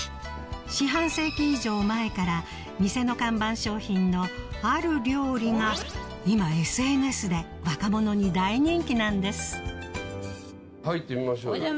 四半世紀以上前から店の看板商品のある料理が今ＳＮＳで若者に大人気なんです入ってみましょうよ。